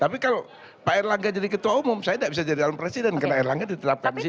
tapi kalau pak erlangga jadi ketua umum saya tidak bisa jadi calon presiden karena erlangga ditetapkan di situ